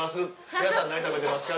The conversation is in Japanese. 皆さん何食べてますか？」